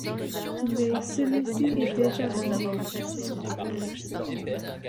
Mais celui-ci est déjà marié.